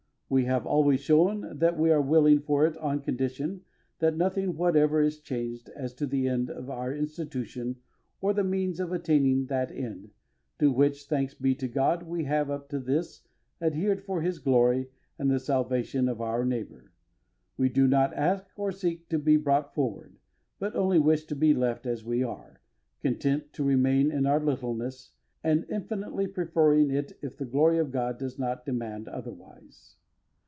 We have always shown that we are willing for it on condition that nothing whatever is changed as to the end of our Institute or the means of attaining that end, to which, thanks be to God, we have, up to this, adhered for His glory and the salvation of our neighbour. We do not ask or seek to be brought forward, and only wish to be left as we are, content to remain in our littleness, and infinitely preferring it if the glory of God does not demand otherwise.